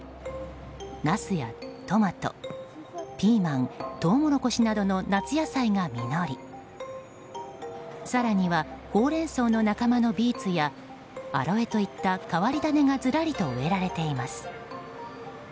ナスやトマト、ピーマントウモロコシなどの夏野菜が実り更には、ホウレンソウの仲間のビーツやアロエといった変わり種がずらりと植えられています。